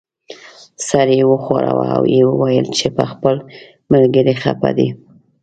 سر یې وښوراوه او یې وویل چې په خپل ملګري خپه دی.